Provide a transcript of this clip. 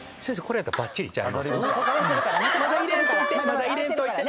まだ入れんといて。